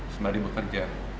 semua di bekerja